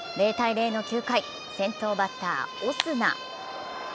０−０の９回、先頭バッター・オスナ。